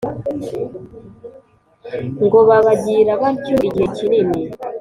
ngo babigira batyo igihe kinini,